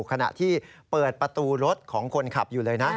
ขณะที่เปิดประตูรถของคนขับอยู่เลยนะ